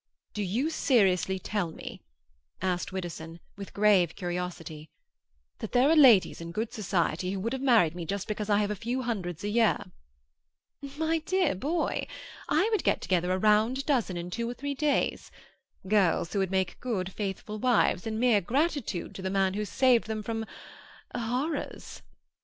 "Do you seriously tell me," asked Widdowson, with grave curiosity, "that there are ladies in good society who would have married me just because I have a few hundreds a year?" "My dear boy, I would get together a round dozen in two or three days. Girls who would make good, faithful wives, in mere gratitude to the man who saved them from—horrors."